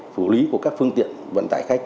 phủ lý của các phương tiện vận tải khách